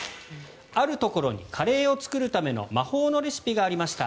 あるところにカレーを作るための魔法のレシピがありました。